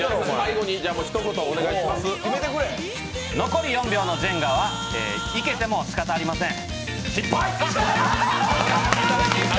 残り４秒のジェンガはいけてもしかたありません。